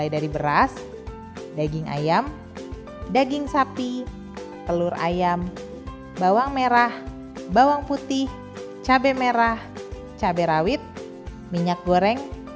dari beras daging ayam daging sapi telur ayam bawang merah bawang putih cabai merah cabai rawit minyak goreng